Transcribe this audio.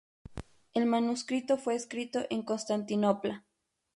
El manuscrito fue escrito en Constantinopla.